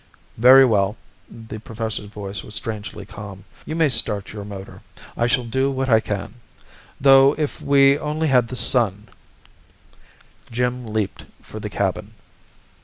"Very well." The professor's voice was strangely calm. "You may start your motor. I shall do what I can. Though if we only had the sun " Jim leaped for the cabin.